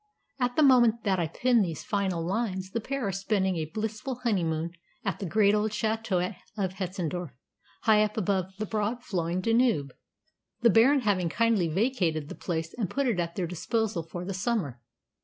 At the moment that I pen these final lines the pair are spending a blissful honeymoon at the great old château of Hetzendorf, high up above the broad flowing Danube, the Baron having kindly vacated the place and put it at their disposal for the summer.